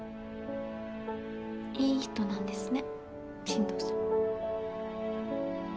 いい人なんですね進藤さん。